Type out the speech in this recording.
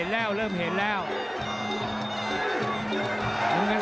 นี่ล้ำเนยนเริ่มเห็นแล้วเริ่มเห็นแล้ว